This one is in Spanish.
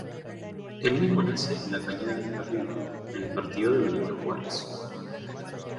El mismo nace en la cañada del Perdido, en el Partido de Benito Juárez.